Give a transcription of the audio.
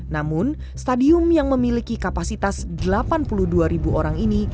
namun stadium yang memiliki kapasitas delapan puluh dua ribu orang ini